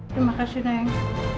terima kasih nayang